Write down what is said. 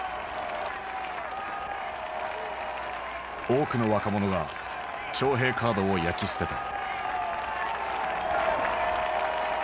多くの若者が徴兵カードを焼き捨てた。